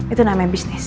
itu namanya bisnis